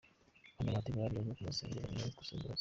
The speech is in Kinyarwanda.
Hano Bahati bari barimo kumusengera nyuma yo gusaba imbabazi.